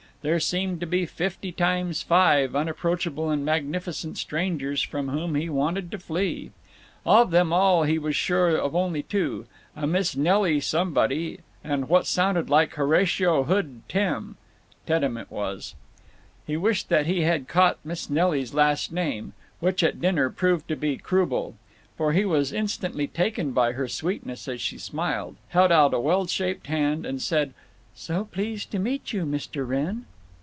There seemed to be fifty times five unapproachable and magnificent strangers from whom he wanted to flee. Of them all he was sure of only two—a Miss Nelly somebody and what sounded like Horatio Hood Tem (Teddem it was). He wished that he had caught Miss Nelly's last name (which, at dinner, proved to be Croubel), for he was instantly taken by her sweetness as she smiled, held out a well shaped hand, and said, "So pleased meet you, Mr. Wrenn."